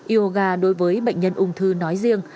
yoga đối với bệnh nhân ung thư nói riêng